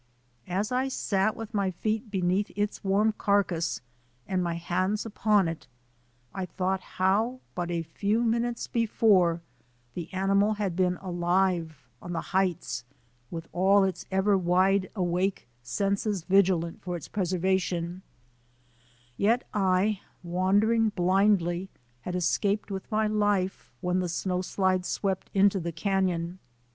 VI sat with my feet beneath its warm carcass and my hands upon it, I thought how but a few minutes before the animal had been alive on the heights with all its ever wide awake senses vigilant for its preservation; yet I, wandering blindly, had caped with my life when the snowslide swept into the canon.